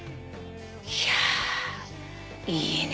いやいいね。